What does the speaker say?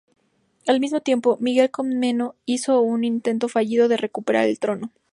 Al mismo tiempo, Miguel Comneno hizo un intento fallido de recuperar el trono.